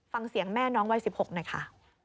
ฟังเสียงแม่น้องวัย๑๖หน่อยค่ะ